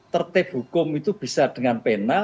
tertib hukum itu bisa dengan penal dengan penyelenggaraan